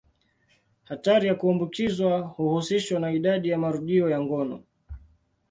Hatari ya kuambukizwa huhusishwa na idadi ya marudio ya ngono.